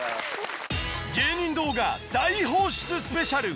芸人動画大放出スペシャル。